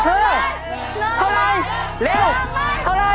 คือเท่าไรเร็วเท่าไร